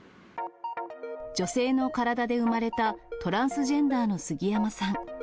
女性の体で生まれたトランスジェンダーの杉山さん。